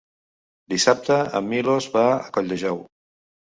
Dissabte en Milos va a Colldejou.